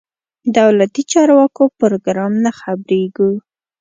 دولتي چارواکو پروګرام نه خبرېږو.